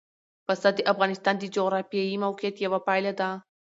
پسه د افغانستان د جغرافیایي موقیعت یوه پایله ده.